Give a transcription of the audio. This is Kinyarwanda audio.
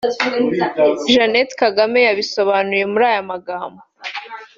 Jeannette Kagame yabisobanuye muri aya magambo